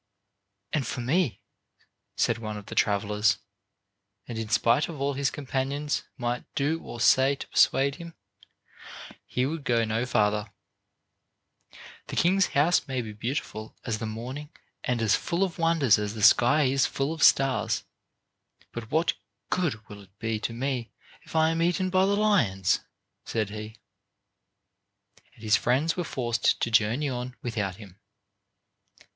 "And for me," said one of the travelers; and in spite of all his companions might do or say to persuade him, he would go no farther. "The king's house may be beautiful as the morning and as full of wonders as the sky is full of stars, but what good will it be to me if I am eaten by the lions?" said he. And his friends were forced to journey on without him.